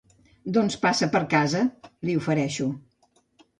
Doncs passa per casa —li ofereixo—.